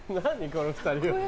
この２人は。